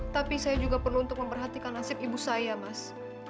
tapi saya juga perlu untuk memperhatikan nasib ibu saya mas